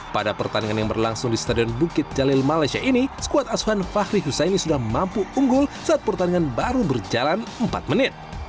pada pertandingan yang berlangsung di stadion bukit jalil malaysia ini skuad asuhan fahri husaini sudah mampu unggul saat pertandingan baru berjalan empat menit